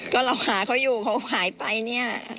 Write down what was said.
ก็เราหาเขาอยู่เขาหายไปเนี่ย